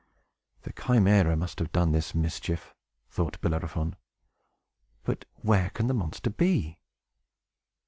"The Chimæra must have done this mischief," thought Bellerophon. "But where can the monster be?"